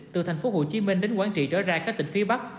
từ tp hcm đến quảng trị trở ra khách tỉnh phía bắc